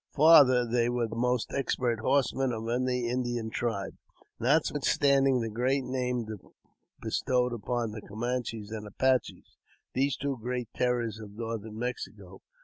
Farther, they were the most expert horsemen of any Indian tribe, notwithstanding the great name bestowed upon the Camanches and Apaches — those two great terrors of Northern Mexico.